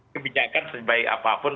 kebijakan sebaik apapun